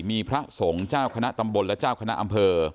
มีพระสงฆ์เจ้าคณะตำบลและเจ้าคณะอำเภอ